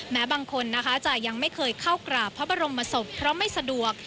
แม้บางคนนะคะจะยังไม่เคยเข้ากราบพระบรมศพเพราะไม่สะดวก